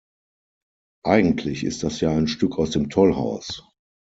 Eigentlich ist das ja ein Stück aus dem Tollhaus!